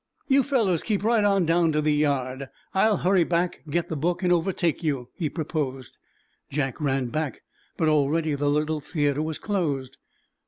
"You fellows keep right on down to the yard. I'll hurry back, get the book and overtake you," he proposed. Jack ran back, but already the little theatre was closed.